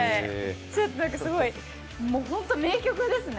ちょっと、すごい本当、名曲ですね。